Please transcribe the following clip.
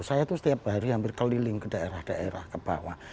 saya itu setiap hari hampir keliling ke daerah daerah ke bawah